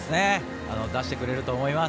出してくれると思います。